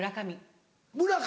村上。